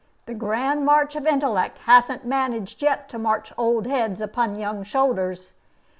The grand march of intellect hathn't managed yet to march old heads upon young shoulders.